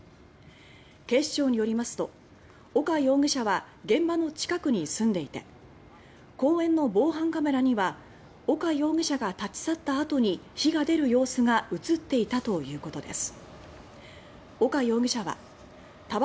警視庁によりますと岡容疑者は現場の近くに住んでいて公園の防犯カメラには岡容疑者が立ち去ったあとに火が出る様子が映っていたということです。